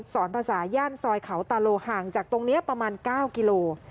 สอนภาษาย่านซอยเขาตาโลห่างจากตรงนี้ประมาณ๙กิโล